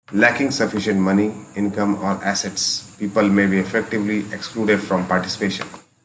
Lacking sufficient money, income or assets, people may be effectively excluded from participation.